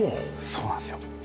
そうなんすよ